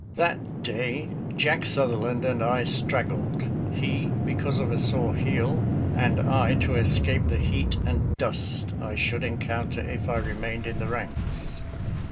*♦•*• That day Jack Sutherland and I straggled; he, because of a sore heel, and I to escape the heat and dust I should encounter if I remained in the ranks.